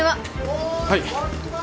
はい。